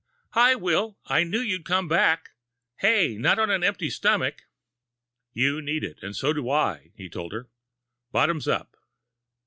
"Hi, Will. I knew you'd come back. Hey, not on an empty stomach." "You need it and so do I," he told her. "Bottoms up!"